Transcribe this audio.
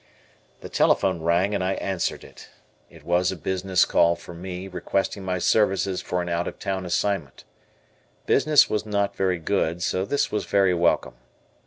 The telephone rang and I answered it. It was a business call for me requesting my services for an out of town assignment. Business was not very good, so this was very welcome.